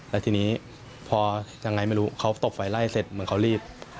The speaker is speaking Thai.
แล้วทีนี้พอยังไงไม่รู้เขาตบไฟไล่เสร็จเหมือนเขารีบ